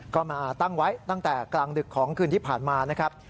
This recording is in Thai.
ก็มาตั้งไว้ตั้งแต่กลางดึกของคืนที่ผ่านมานะครับ